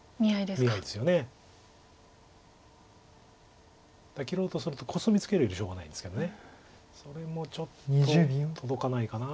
だから切ろうとするとコスミツケるよりしょうがないんですけどそれもちょっと届かないかな。